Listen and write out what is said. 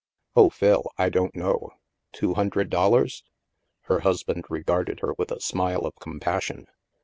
" Oh, Phil, I don't know. Two hundred dol lars?" Her husband regarded her with a smile of com passion.